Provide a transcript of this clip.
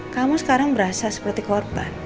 kamu sekarang berasa seperti korban